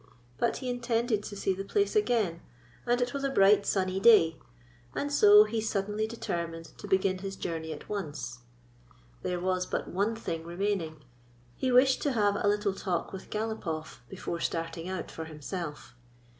But he intended to see the place again, and it was a bright, sunny day; and so he suddenly deter mined to begin his journey at once. There was but one thing remaining. He wished to have a little talk with Galopoff before starting out for himself.